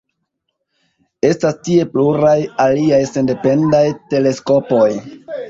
Estas tie pluraj aliaj sendependaj teleskopoj.